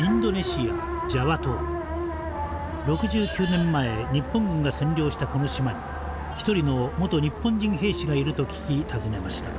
６９年前日本軍が占領したこの島に一人の元日本人兵士がいると聞き訪ねました。